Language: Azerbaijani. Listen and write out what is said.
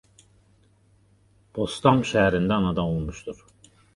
Potsdam şəhərində anadan olmuşdur.